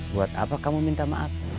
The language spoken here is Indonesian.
buat apa kamu minta maaf